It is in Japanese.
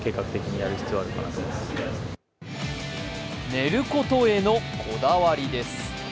寝ることへのこだわりです。